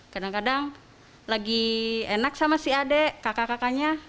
kadang kadang lagi enak sama si adik kakak kakaknya